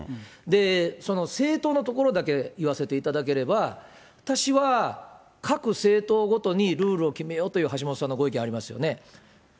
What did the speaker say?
で、その政党のところだけ言わせていただければ、私は各政党ごとにルールを決めようという橋下さんのご意見ありますよね。